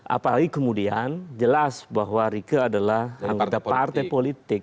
apalagi kemudian jelas bahwa rike adalah anggota partai politik